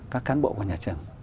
các cán bộ của nhà trường